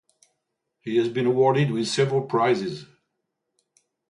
Has been awarded with several prizes.